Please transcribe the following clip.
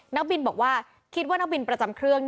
นักบินบอกว่าคิดว่านักบินประจำเครื่อง